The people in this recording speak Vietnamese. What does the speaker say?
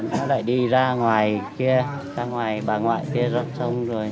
nó lại đi ra ngoài kia ra ngoài bà ngoại kia rớt xong rồi